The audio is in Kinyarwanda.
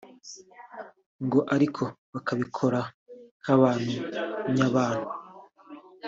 ngo ariko bakabikora nk’abantu nyabantu